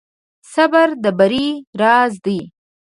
صبر د بری راز دی.